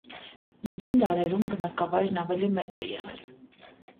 Միջին դարերում բնակավայրն ավելի մեծ է եղել։